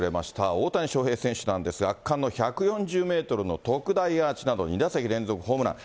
大谷翔平選手なんですが、圧巻の１４０メートルの特大アーチなど、２打席連続ホームラン。